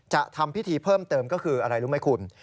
ทำพิธีเพิ่มเติมก็คืออะไรรู้ไหมคุณ